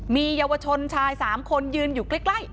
มีเยาวชนชาย๓คนยืนอยู่ใกล้